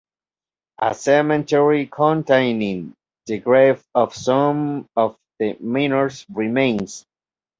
A cemetery containing the graves of some of the miners remains.